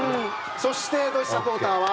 そしてドイツサポーターは。